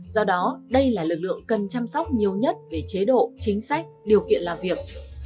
do đó đây là lực lượng cần chăm sóc nhiều nhất về chế độ chính sách điều kiện làm việc